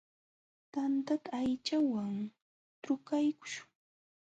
Tantata aychawan trukaykuśhun.